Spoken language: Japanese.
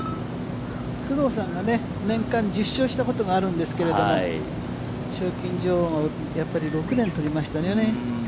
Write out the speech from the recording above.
工藤さんは、年間１０勝したことがあるんですけど、賞金女王を６年とりましたよね。